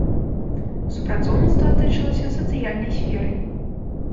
Супрацоўніцтва тычылася сацыяльнай сферы.